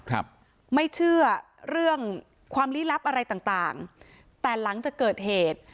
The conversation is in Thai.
ครับไม่เชื่อเรื่องความลี้ลับอะไรต่างต่างแต่หลังจากเกิดเหตุ